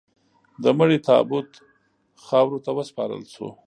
د مړي تابوت خاورو ته وسپارل شو.